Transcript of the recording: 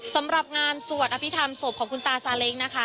สำหรับงานสวดอภิษฐรรมศพของคุณตาซาเล้งนะคะ